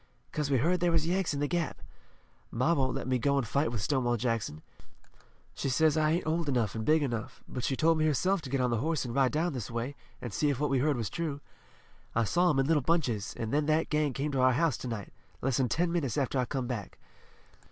"'Cause we heard there was Yanks in the Gap. Ma won't let me go an' fight with Stonewall Jackson. She says I ain't old enough an' big enough, but she told me herself to get on the horse an' ride down this way, an' see if what we heard was true. I saw 'em in little bunches, an' then that gang come to our house to night, less 'n ten minutes after I come back.